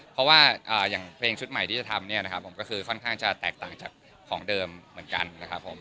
เพราะว่าอย่างเพลงชุดใหม่ที่จะทำเนี่ยนะครับผมก็คือค่อนข้างจะแตกต่างจากของเดิมเหมือนกันนะครับผม